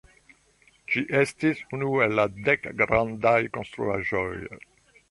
Ĝi estis unu el la "dek grandaj konstruaĵoj".